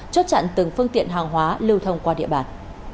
chốt chặn từng phương tiện hàng hóa lưu thông qua địa bàn